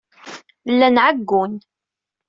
Llan ɛeyyun.